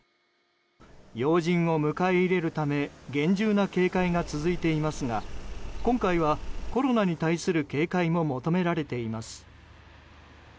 要人を迎え入れるため厳重な警戒が続いていますが今回はコロナに対する警戒も求められています。